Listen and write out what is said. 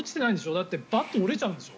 だってバット折れちゃうんでしょ？